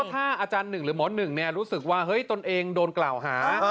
ถ้าอาจารย์หนึ่งหรือหมอหนึ่งรู้สึกว่าเฮ้ยตนเองโดนกล่าวหา